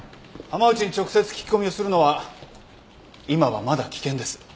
浜内に直接聞き込みをするのは今はまだ危険です。